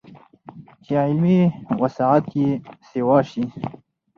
چې علمي وسعت ئې سېوا شي